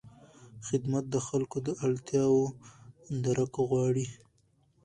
خدمت د خلکو د اړتیاوو درک غواړي.